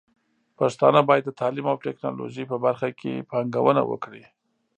پښتانه بايد د تعليم او ټکنالوژۍ په برخه کې پانګونه وکړي.